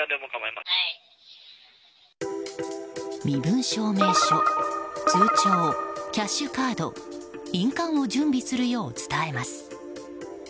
身分証明書、通帳キャッシュカード、印鑑を準備するよう伝えます。